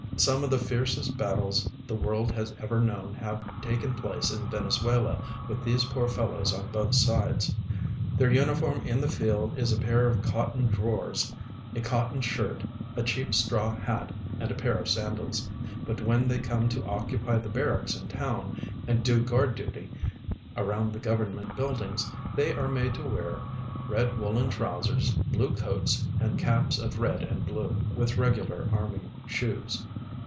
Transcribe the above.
Some of the fiercest battles the world has ever known have taken place in Venezuela with these poor fellows on both sides. Their uniform in the field is a pair of cotton drawers, a cotton shirt, a cheap straw hat, and a pair of sandals, hut when they come to occupy the barracks in town and do guard duty around the government buildings they are made to wear red woolen trousers, blue coats, and caps of red and blue, with regular army shoes.